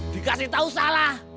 dikasih tahu salah